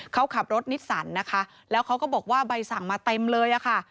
เขาขับรถนิสสันนะคะแล้วเขาก็บอกว่าใบสั่งมาเต็มเลยอะค่ะ